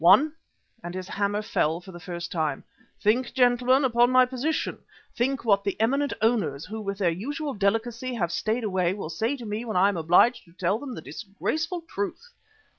One," and his hammer fell for the first time. "Think, gentlemen, upon my position, think what the eminent owners, who with their usual delicacy have stayed away, will say to me when I am obliged to tell them the disgraceful truth.